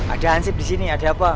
ada ansib disini ada apa